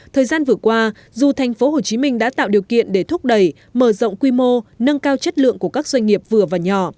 thời gian vừa qua dù tp hcm đã tạo điều kiện để thúc đẩy mở rộng quy mô nâng cao chất lượng của các doanh nghiệp vừa và nhỏ